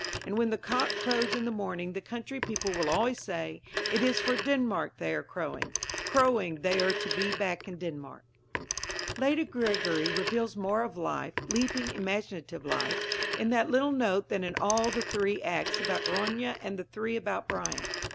And when the cock crows in the morning the country people will always say: "It is for Denmark they are crowing; crowing they are to be back in Denmark." Lady Gregory reveals more of life leaping, imaginative life in that little note than in all the three acts about Grania and the three about Brian.